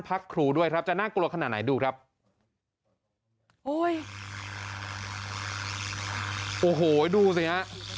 บ้านพักครูด้วยครับจะน่ากลัวขนาดไหนดูครับโอ้โหดูสิฮะ